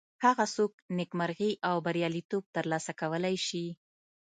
هغه څوک نیکمرغي او بریالیتوب تر لاسه کولی شي.